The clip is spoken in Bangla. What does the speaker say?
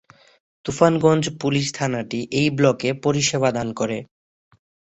তুফানগঞ্জ পুলিশ থানাটি এই ব্লকে পরিষেবা দান করে।